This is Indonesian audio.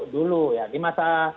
dulu ya di masa